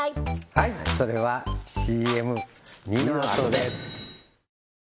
はいそれはＣＭ②のあとで！